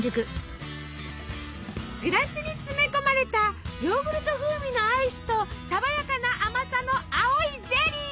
グラスに詰め込まれたヨーグルト風味のアイスと爽やかな甘さの青いゼリー！